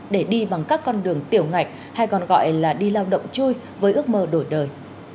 để đi bằng các con đường tiểu ngạch hay còn gọi là đi lao động chui với ước mơ đổi đời